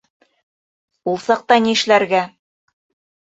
Ул саҡта ни эшләргә?